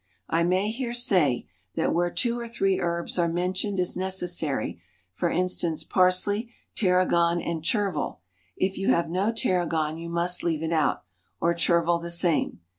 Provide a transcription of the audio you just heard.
I may here say, that where two or three herbs are mentioned as necessary, for instance, parsley, tarragon, and chervil, if you have no tarragon you must leave it out, or chervil the same.